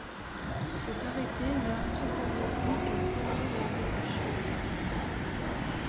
Cet arrêté n'a cependant eu qu'un semblant d'exécution.